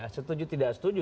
setuju tidak setuju